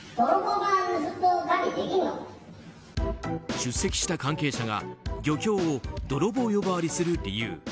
出席した関係者が漁協を泥棒呼ばわりする理由。